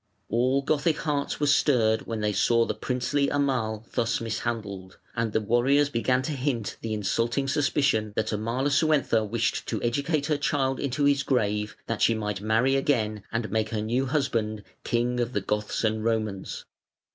All Gothic hearts were stirred when they saw the princely Amal thus mishandled, and the warriors began to hint the insulting suspicion that Amalasuentha wished to educate her child into his grave, that she might marry again and make her new husband king of the Goths and Romans.